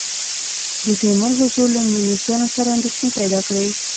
د تیمور حضور له انګلیسیانو سره اندېښنې پیدا کړې.